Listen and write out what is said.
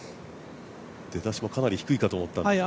出だしもかなり低いと思ったんですが。